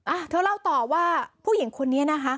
อ่ะเธอเล่าต่อว่าผู้หญิงคนนี้นะคะ